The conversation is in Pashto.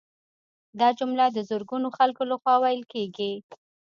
دا جمله د زرګونو خلکو لخوا ویل کیږي